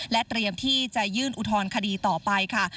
เตรียมที่จะยื่นอุทธรณคดีต่อไปค่ะ